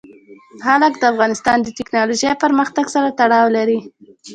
جلګه د افغانستان د تکنالوژۍ پرمختګ سره تړاو لري.